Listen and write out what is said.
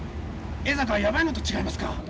江坂はやばいのと違いますか！？